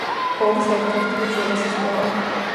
გორის ერთ-ერთი უძველესი სკოლა.